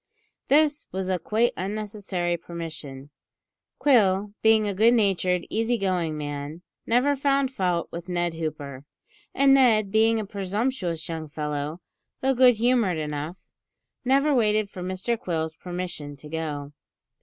This was a quite unnecessary permission. Quill, being a good natured, easy going man, never found fault with Ned Hooper, and Ned being a presumptuous young fellow, though good humoured enough, never waited for Mr Quill's permission to go.